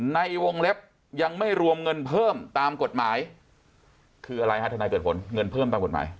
ในวงเล็บยังไม่รวมเงินเพิ่มตามกฎหมายคืออะไรฮะทนายเกิดผลเงินเพิ่มตามกฎหมาย